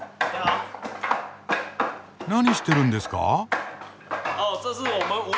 何してるんですか？